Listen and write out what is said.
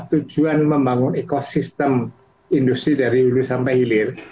tujuan membangun ekosistem industri dari hulu sampai hilir